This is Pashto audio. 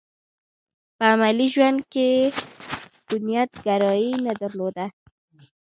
په عملي ژوند کې یې بنياد ګرايي نه درلوده.